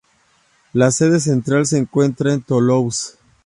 La sede central se encuentra en Toulouse.